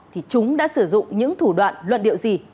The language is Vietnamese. thì chúng đã sử dụng những thủ đoạn luận điệu gì